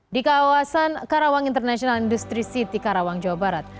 di kawasan karawang international industry city karawang jawa barat